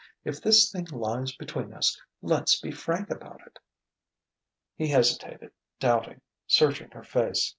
If this thing lies between us, let's be frank about it!" He hesitated, doubting, searching her face.